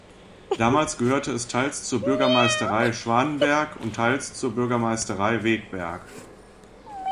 Damals gehörte es teils zur Bürgermeisterei Schwanenberg und teils zur Bürgermeisterei Wegberg.